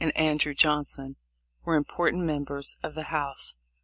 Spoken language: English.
275 Andrew Johnson were important members of the House.